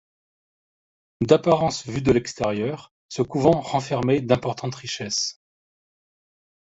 D'apparence vue de l'extérieur, ce couvent renfermait d'importantes richesses.